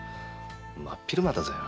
真っ昼間だぜ。